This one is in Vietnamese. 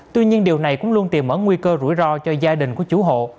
tuy nhiên điều này cũng luôn tìm mở nguy cơ rủi ro cho gia đình của chủ hộ